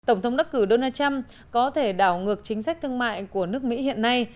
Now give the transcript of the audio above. tổng thống đắc cử donald trump có thể đảo ngược chính sách thương mại của nước mỹ hiện nay